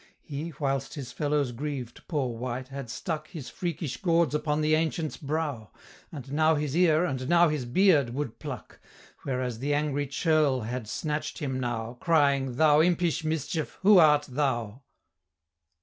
He, whilst his fellows grieved, poor wight, had stuck His freakish gauds upon the Ancient's brow, And now his ear, and now his beard, would pluck; Whereas the angry churl had snatched him now, Crying, "Thou impish mischief, who art thou?"